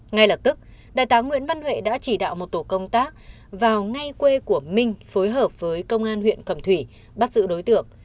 ngay lập tức đại tá nguyễn văn huệ đã chỉ đạo một tổ công tác vào ngay quê của minh phối hợp với công an huyện cầm thủy bắt giữ đối tượng